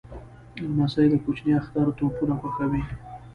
لمسی د کوچني اختر توپونه خوښوي.